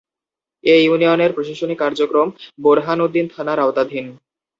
এ ইউনিয়নের প্রশাসনিক কার্যক্রম বোরহানউদ্দিন থানার আওতাধীন।